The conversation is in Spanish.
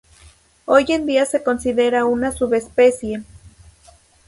Hoy en día se considera una subespecie.